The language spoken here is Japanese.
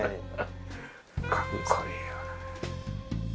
かっこいいよね。